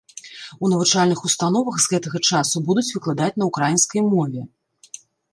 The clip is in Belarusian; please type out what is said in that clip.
У навучальных установах з гэтага часу будуць выкладаць на ўкраінскай мове.